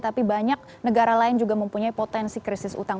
tapi banyak negara lain juga mempunyai potensi krisis utang